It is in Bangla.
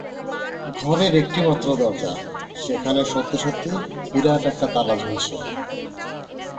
ঘরের একটিমাত্র দরজা, সেখানে সত্যি-সত্যি বিরাট একটা তালা ঝুলছে।